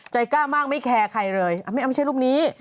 กล้ามากไม่แคร์ใครเลยไม่ใช่รูปนี้